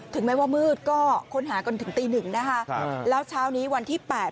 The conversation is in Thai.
แม้ว่ามืดก็ค้นหากันถึงตีหนึ่งนะคะครับแล้วเช้านี้วันที่แปด